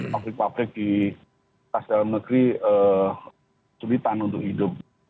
fabrik fabrik di kas dalam negeri ee sulitan untuk hidup